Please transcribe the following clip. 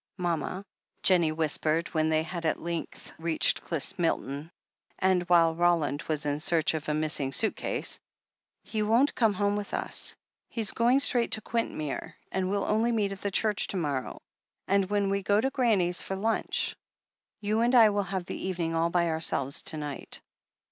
"Mama," Jennie whispered, when they had at length reached Qyst Milton, and while Roland was in search of a missing suit case, "he won't come home with us. He's going straight to Quintmere, and we'll only meet at church to morrow and when we go to Grannie's for lunch. You and I will have the evening all by ourselves to night."